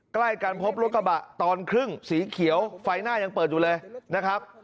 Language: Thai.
ใกล้กันพบรถกระบะตอนครึ่งสีเขียวไฟหน้ายังเปิดอยู่เลยนะครับ